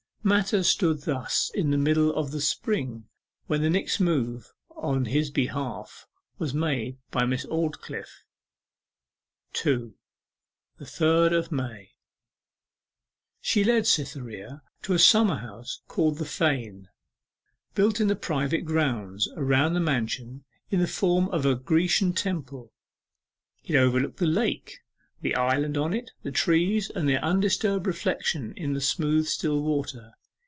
Matters stood thus in the middle of the spring when the next move on his behalf was made by Miss Aldclyffe. 2. THE THIRD OF MAY She led Cytherea to a summer house called the Fane, built in the private grounds about the mansion in the form of a Grecian temple; it overlooked the lake, the island on it, the trees, and their undisturbed reflection in the smooth still water.